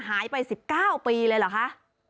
หายไป๑๙ปีเลยเหรอคะ